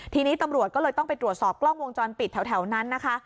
ทีนี้ตำรวจก็เลยต้องไปตรวจสอบกล้องวงจรปิดแถวนั้นนะคะ